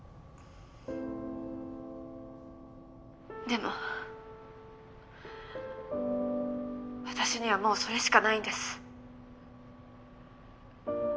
でも私にはもうそれしかないんです。